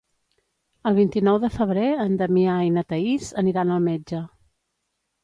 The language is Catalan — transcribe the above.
El vint-i-nou de febrer en Damià i na Thaís aniran al metge.